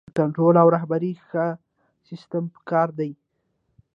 د کنټرول او رهبرۍ ښه سیستم پکار دی.